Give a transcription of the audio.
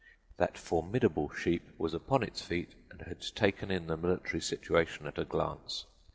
Instantly that formidable sheep was upon its feet and had taken in the military situation at a glance.